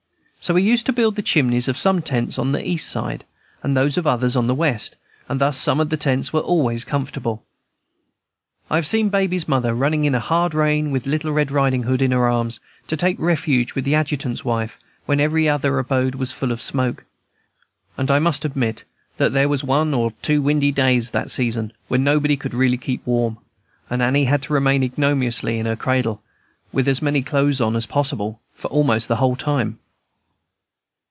So we used to build the chimneys of some tents on the east side, and those of others on the west, and thus some of the tents were always comfortable. I have seen Baby's mother running in a hard rain, with little Red Riding Hood in her arms, to take refuge with the Adjutant's wife, when every other abode was full of smoke; and I must admit that there were one or two windy days that season when nobody could really keep warm, and Annie had to remain ignominiously in her cradle, with as many clothes on as possible, for almost the whole time.